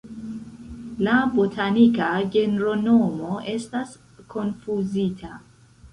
La botanika genronomo estas konfuzita.